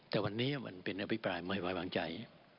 แต่วันนี้มันเป็นอภิปรายไม่ไว้วางใจ